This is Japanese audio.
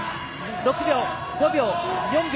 ６秒、５秒、４秒。